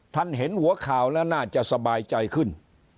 เห็นหัวข่าวแล้วน่าจะสบายใจขึ้น